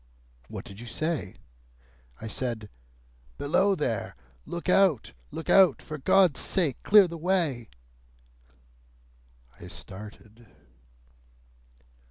"What did you say?" "I said, 'Below there! Look out! Look out! For God's sake, clear the way!'" I started.